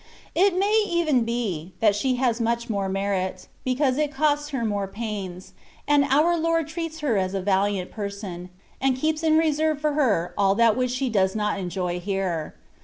It may even be, that she has much more merit, because it costs her more pains; and our Lord treats her as a valiant person, and keeps in reserve for her all that which she does not enjoy here.